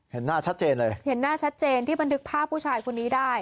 เห็นหน้าชัดเจนเลยเห็นหน้าชัดเจนที่บันทึกภาพผู้ชายคนนี้ได้